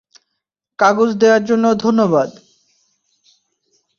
কাগজ দেওয়ার জন্য ধন্যবাদ।